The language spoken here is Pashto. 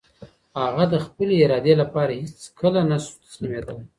هغه د خپلې ارادې لپاره هېڅکله نه شو تسليمېدلی.